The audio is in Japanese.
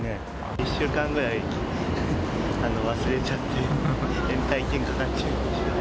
１週間ぐらい、忘れちゃって、延滞金かかっちゃいましたね。